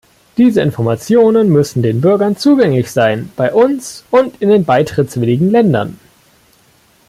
Diese Informationen müssen den Bürgern zugänglich sein bei uns und in den beitrittswilligen Ländern.